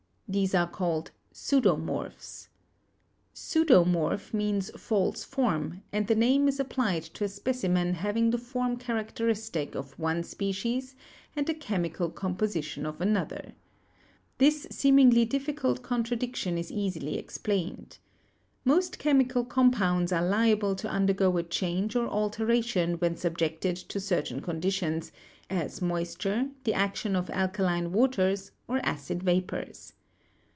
These are called 'pseudomorphs/ Pseudomorph means false form, and the name is ap plied to a specimen having the form characteristic of one species and the chemical composition of another. This CRYSTALLOGRAPHY 253 seemingly difficult contradiction is easily explained. Most chemical compounds are liable to undergo a change or alteration when subjected to certain conditions, as mois ture, the action of alkaline waters or acid vapors.